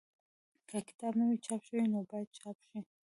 که کتاب نه وي چاپ شوی نو باید چاپ شي.